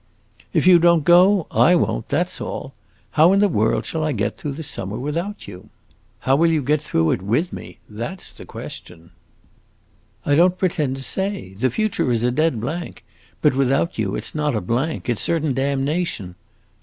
"If you don't go, I won't that 's all! How in the world shall I get through the summer without you?" "How will you get through it with me? That 's the question." "I don't pretend to say; the future is a dead blank. But without you it 's not a blank it 's certain damnation!"